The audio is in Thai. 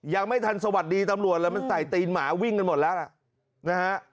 ยังไม่ทันสวัสดีตำรวจแล้วมันใส่ตีนหมาวิ่งกันหมดแล้วล่ะนะฮะ